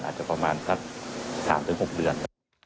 อาจจะประมาณสัก๓๖เดือน